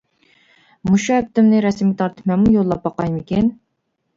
مۇشۇ ئەپتىمنى رەسىمگە تارتىپ مەنمۇ يوللاپ باقايمىكىن.